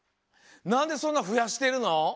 なんでそんなふやしてるの？